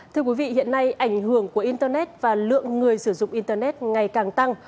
thưa quý vị hiện nay ảnh hưởng của internet và lượng người sử dụng internet ngày càng tăng